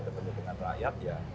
ketemu dengan rakyat